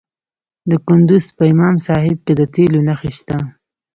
د کندز په امام صاحب کې د تیلو نښې شته.